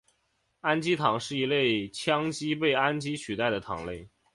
氨基糖是一类羟基被氨基取代的糖类。